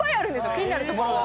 気になるところが。